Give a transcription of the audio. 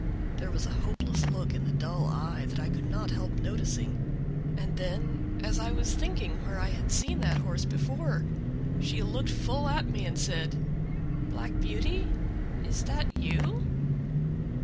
There was a hopeless look in the dull eye that I could not help noticing, and then, as I was thinking where I had seen that horse before, she looked full at me and said, "Black Beauty, is that you?"